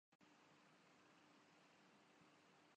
تو یہ عجیب لگتا ہے۔